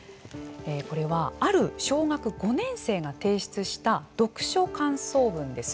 これはある小学５年生が提出した読書感想文です。